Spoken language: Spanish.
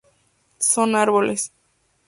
Son árboles.